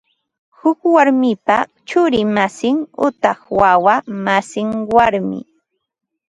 Huk warmipa churi masin utaq wawa masin warmi